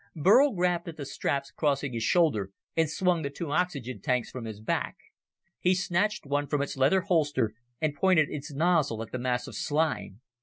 Burl grabbed at the straps crossing his shoulder and swung the two oxygen tanks from his back. He snatched one from its leather holster, and pointed its nozzle at the mass of slime.